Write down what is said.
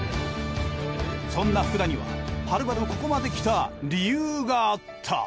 そんな福田にははるばるここまで来た理由があった。